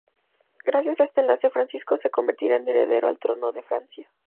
Gracias a este enlace, Francisco se convertiría en heredero al trono de Francia.